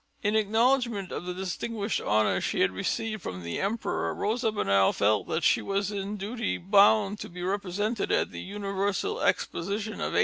In acknowledgment of the distinguished honour she had received from the Emperor, Rosa Bonheur felt that she was in duty bound to be represented at the Universal Exposition of 1867.